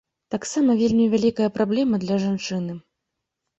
Таксама вельмі вялікая праблема для жанчыны.